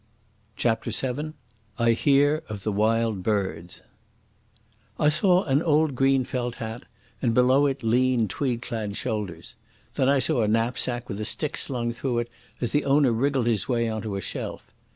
CHAPTER VII I Hear of the Wild Birds I saw an old green felt hat, and below it lean tweed clad shoulders. Then I saw a knapsack with a stick slung through it, as the owner wriggled his way on to a shelf.